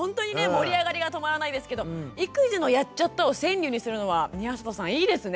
盛り上がりが止まらないですけど育児の「やっちゃった！」を川柳にするのは宮里さんいいですね。